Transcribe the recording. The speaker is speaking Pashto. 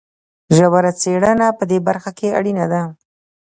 ژوره څېړنه په دې برخه کې اړینه ده.